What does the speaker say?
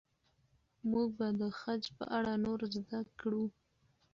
موږ به د خج په اړه نور زده کړو.